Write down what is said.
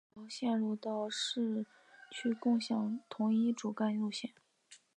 三条线路到了市区共享同一段主干线路。